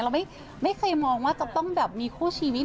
เราไม่เคยมองว่าจะต้องแบบมีคู่ชีวิต